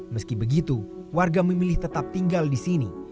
meski begitu warga memilih tetap tinggal di sini